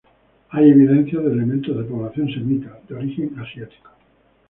Hay evidencias de elementos de población semita, de origen asiático.